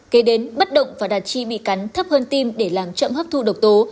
kế đến bất động và đạt chi bị cắn thấp hơn tim để làm chậm hấp thu độc tố